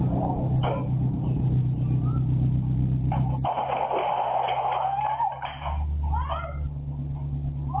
สวัสดีครับ